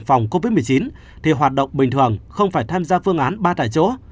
phòng covid một mươi chín thì hoạt động bình thường không phải tham gia phương án ba tại chỗ